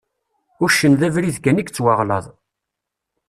Uccen d abrid kan i yettwaɣlaḍ.